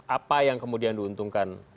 apa yang kemudian diuntungkan